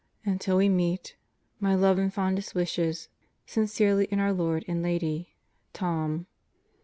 Until we meet My love and fondest wishes, Sincerely in our Lord and Lady, Tom.